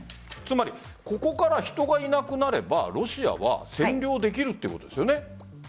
つまりここから人がいなくなればロシアは占領できるということですよね。